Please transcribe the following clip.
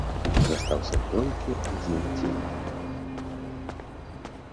Застаўся толькі адзін дзень!